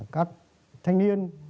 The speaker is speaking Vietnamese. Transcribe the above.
các thanh niên